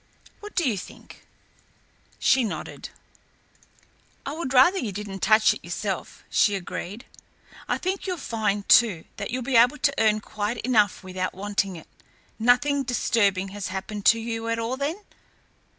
What do you think?" She nodded. "I would rather you didn't touch it yourself," she agreed. "I think you'll find, too, that you'll be able to earn quite enough without wanting it. Nothing disturbing has happened to you at all, then?"